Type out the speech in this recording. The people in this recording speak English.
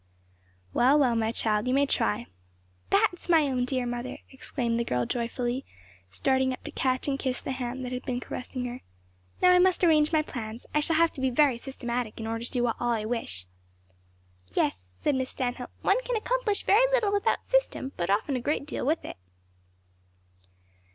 "Well, well, my child, you may try." "That's my own dear mother!" exclaimed the girl joyfully, starting up to catch and kiss the hand that had been caressing her. "Now, I must arrange my plans. I shall have to be very systematic in order to do all I wish." "Yes," said Miss Stanhope, "one can accomplish very little without system, but often a great deal with it."